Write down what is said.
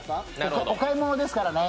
お買い物ですからね。